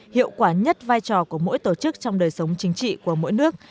hiệu quả nhất vai trò của mỗi tổ chức trong đời sống chính trị của mỗi nước